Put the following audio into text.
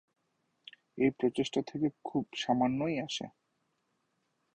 এই প্রচেষ্টা থেকে খুব সামান্যই আসে।